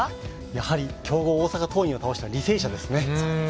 やはり、強豪大阪桐蔭を倒した履正社ですね。